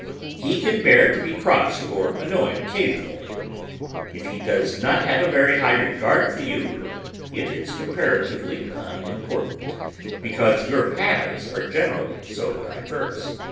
He can bear to be crossed or annoyed occasionally. If he does not have a very high regard for you, it is comparatively unimportant, because your paths are generally so diverse.